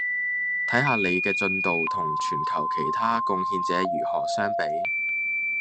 睇下您的進度同全球其他貢獻者如何相比